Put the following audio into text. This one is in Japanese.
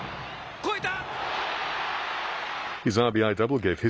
越えた！